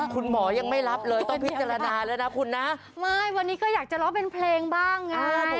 คุณหมอยังไม่รับเลยต้องพิจารณาแล้วนะคุณนะไม่วันนี้ก็อยากจะร้องเป็นเพลงบ้างไง